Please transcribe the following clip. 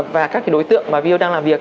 và các cái đối tượng mà vo đang làm việc